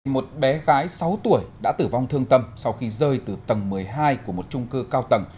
một bé gái sáu tuổi đã tử vong thương tâm sau khi rơi từ tầng một mươi hai của một trung cư cao tầng